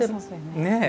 ねえ。